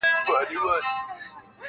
نوريې دلته روزي و ختمه سوې.